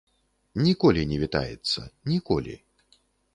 Ніколі не вітаецца, ніколі.